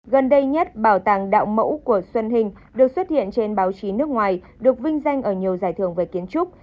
gần đây nhất bảo tàng đạo mẫu của xuân hình được xuất hiện trên báo chí nước ngoài được vinh danh ở nhiều giải thưởng về kiến trúc